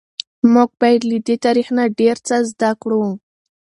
موږ باید له دې تاریخ نه ډیر څه زده کړو.